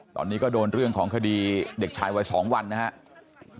ตอนนี้ก็โดนเรื่องของคดีเด็กชายวัย๒วันนะครับ